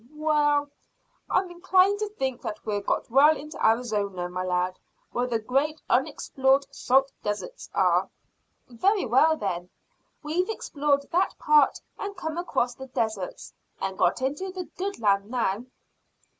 "Well, I'm inclined to think that we're got well into Arizona, my lad, where the great unexplored salt deserts are." "Very well, then, we've explored that part and come across the deserts, and got into the good land now."